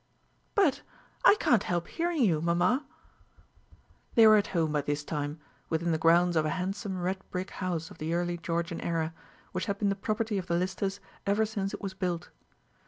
"But I can't help hearing you, mamma." They were at home by this time, within the grounds of a handsome red brick house of the early Georgian era, which had been the property of the Listers ever since it was built.